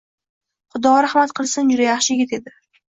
Xudo rahmat qilsin, juda yaxshi yigit edi